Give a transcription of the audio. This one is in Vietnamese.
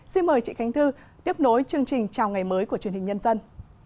xin mời chị khánh thư tiếp nối chương trình chào ngày mới của truyền hình nhân dân